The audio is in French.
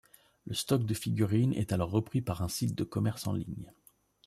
Le stock de figurines est alors repris par un site de commerce en ligne.